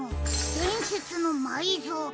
でんせつのまいぞうきん。